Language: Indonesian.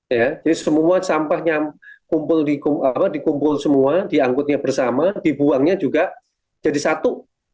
jadi semua sampahnya dikumpul semua diangkutnya bersama dibuangnya juga jadi satu